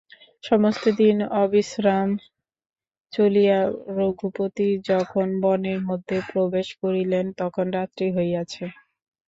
সমস্ত দিন অবিশ্রাম চলিয়া রঘুপতি যখন বনের মধ্যে প্রবেশ করিলেন তখন রাত্রি হইয়াছে।